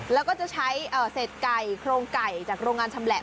แล้วก็จะใช้เศษไก่โครงไก่จากโรงงานชำแหละ